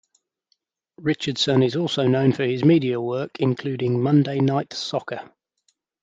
Richardson is also known for his media work, including "Monday Night Soccer".